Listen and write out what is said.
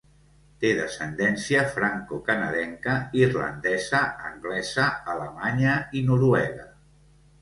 Té descendència francocanadenca, irlandesa, anglesa, alemanya i noruega.